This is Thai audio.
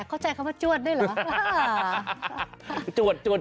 เข้าใจคำว่าจวดด้วยเหรอ